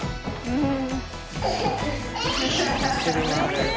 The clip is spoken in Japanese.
うん？